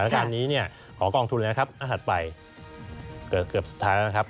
ขณะนี้ขอกองทุนอาหารไปเกือบเท้านะครับ